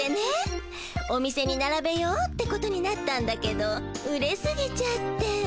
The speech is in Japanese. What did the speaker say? お店にならべようってことになったんだけど売れすぎちゃって。